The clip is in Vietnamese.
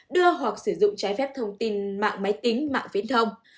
đưa hoặc sử dụng trái phép thông tin mạng máy tính mạng viễn thông